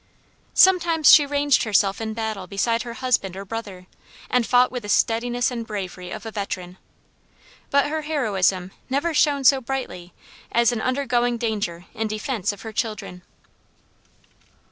Sometimes she ranged herself in battle beside her husband or brother, and fought with the steadiness and bravery of a veteran. But her heroism never shone so brightly as in undergoing danger in defense of her children.